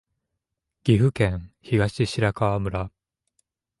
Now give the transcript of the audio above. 岐阜県東白川村